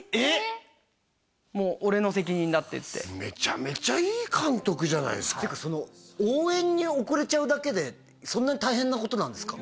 もう「俺の責任だ」って言ってめちゃめちゃいい監督じゃないですかてかその応援に遅れちゃうだけでそんなに大変なことなんですか？